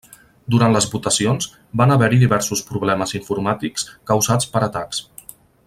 Durant les votacions, van haver-hi diversos problemes informàtics causats per atacs.